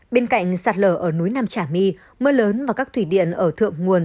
bên cạnh sạt lở ở núi nam trà my mưa lớn và các thủy điện ở thượng nguồn